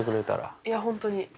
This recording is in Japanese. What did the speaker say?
いや、本当に。